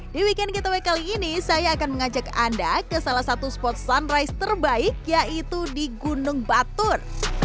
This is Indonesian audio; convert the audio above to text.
di weekend getaway kali ini saya akan mengajak anda ke salah satu spot sunrise terbaik yaitu di gunung batur